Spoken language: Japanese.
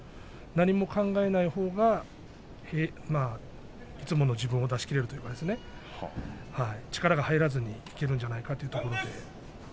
何も考えないほうがいつもの自分を出し切れるというか力が入らずにいけるんじゃないかというところで。